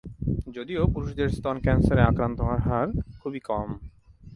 যদিও পুরুষদের স্তন ক্যান্সারে আক্রান্ত হওয়ার হার খুবই কম।